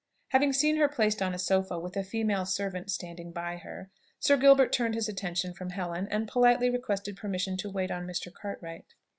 Having seen her placed on a sofa with a female servant standing by her, Sir Gilbert turned his attention from Helen, and politely requested permission to wait on Mr. Cartwright.